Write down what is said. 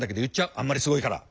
あんまりすごいから！